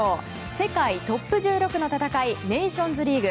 世界トップ１６の戦いネーションズリーグ。